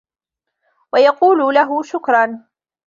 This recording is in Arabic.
ويقول له شكرا.